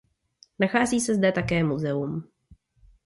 Nachází se zde také muzeum.